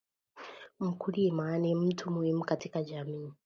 Mkulima ni mtu muhimu katika Jamii